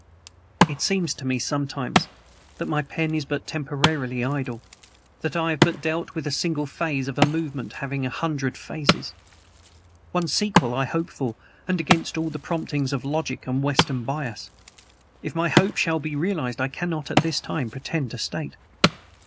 It seems to me sometimes that my pen is but temporarily idle that I have but dealt with a single phase of a movement having a hundred phases. One sequel I hope for, and against all the promptings of logic and Western bias. If my hope shall be realized I cannot, at this time, pretend to state.